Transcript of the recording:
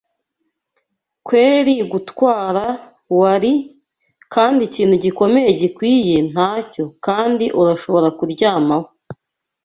“Keel-gutwara, wari? Kandi ikintu gikomeye gikwiye, nacyo, kandi urashobora kuryamaho.